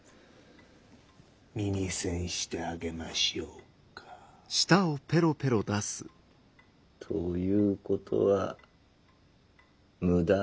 耳栓してあげましょうか？ということは無駄なんだろうな。